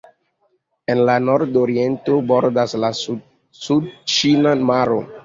En la nordoriento bordas la sudĉina maro.